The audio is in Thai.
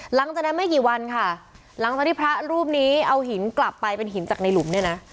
หลังจากนั้นไม่กี่วันค่ะหลังจากที่พระรูปนี้เอาหินกลับไปเป็นหินจากในหลุมเนี่ยนะ